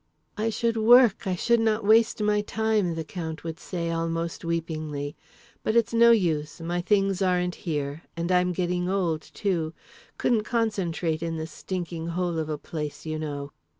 "I should work, I should not waste my time," the Count would say almost weepingly. "But it's no use, my things aren't here. And I'm getting old too; couldn't concentrate in this stinking hole of a place, you know."